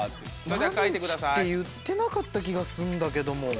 何日って言ってなかった気がすんだけども。